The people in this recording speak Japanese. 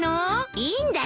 いいんだよ。